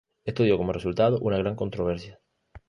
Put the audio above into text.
Esto dio como resultado una gran controversia.